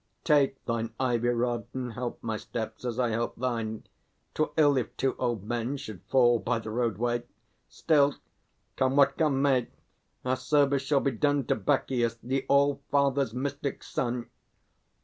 Take thine ivy rod And help my steps, as I help thine. 'Twere ill, If two old men should fall by the roadway. Still, Come what come may, our service shall be done To Bacchios, the All Father's mystic son.